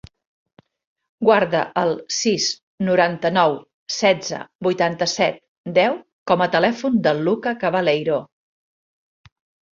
Guarda el sis, noranta-nou, setze, vuitanta-set, deu com a telèfon del Lucca Cabaleiro.